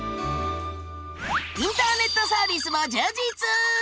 インターネットサービスも充実！